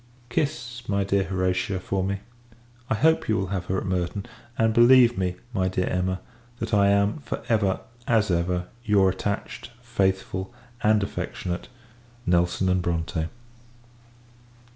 Kiss my dear Horatia, for me! I hope you will have her at Merton; and, believe me, my dear Emma, that I am, for ever, as ever, your attached, faithful, and affectionate, NELSON & BRONTE.